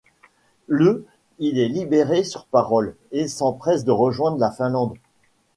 Le il est libéré sur parole et s’empresse de rejoindre la Finlande.